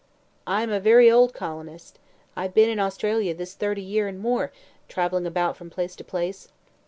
"I am a very old colonist. I have been in Australia this thirty year and more, travelling about from place to place.